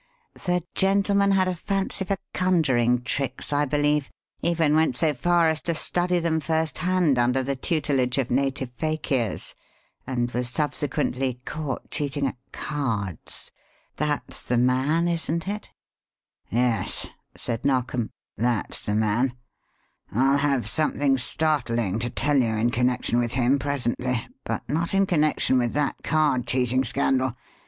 The gentleman had a fancy for conjuring tricks, I believe; even went so far as to study them firsthand under the tutelage of native fakirs, and was subsequently caught cheating at cards. That's the man, isn't it?" "Yes," said Narkom, "that's the man. I'll have something startling to tell you in connection with him presently, but not in connection with that card cheating scandal.